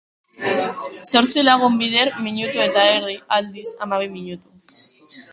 Zortzi lagun bider minutu eta erdi, aldiz, hamabi minutu.